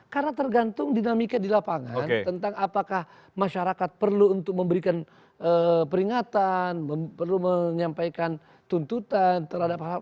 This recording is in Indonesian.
karena tergantung dinamiknya di lapangan tentang apakah masyarakat perlu untuk memberikan peringatan perlu menyampaikan tuntutan terhadap hal hal